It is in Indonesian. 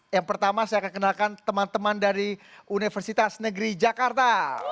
yang pertama saya akan kenalkan teman teman dari universitas negeri jakarta